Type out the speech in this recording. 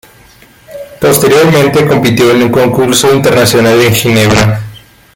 Posteriormente compitió en un Concurso Internacional en Ginebra.